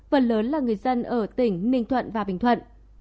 phần lớn là người dân ở tỉnh ninh thuận và bình thuận